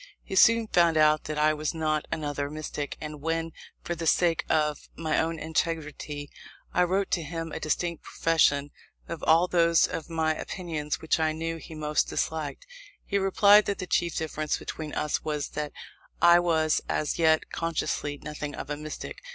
He soon found out that I was not "another mystic," and when for the sake of my own integrity I wrote to him a distinct profession of all those of my opinions which I knew he most disliked, he replied that the chief difference between us was that I "was as yet consciously nothing of a mystic."